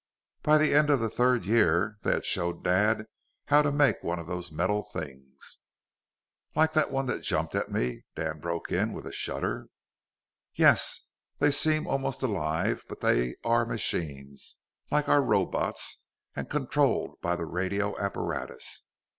"By the end of the third year they had showed Dad how to make one of those metal things " "Like that one that jumped at me?" Dan broke in with a shudder. "Yes. They seem almost alive; but they are machines, like our robots, and controlled by the radio apparatus.